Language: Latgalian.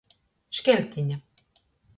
Škeltine.